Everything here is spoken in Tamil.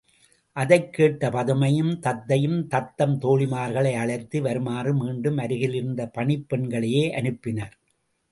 அதைக் கேட்ட பதுமையும் தத்தையும் தத்தம் தோழிமார்களை அழைத்து வருமாறு மீண்டும் அருகிலிருந்த பணிப் பெண்களையே அனுப்பினர்.